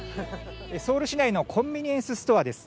ソウル市内のコンビニエンスストアです。